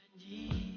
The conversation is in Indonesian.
ke rumah allah kesel